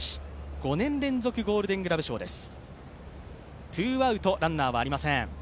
５年連続ゴールデングラブ賞です。